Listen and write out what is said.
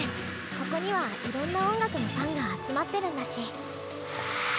ここにはいろんな音楽のファンが集まってるんだし。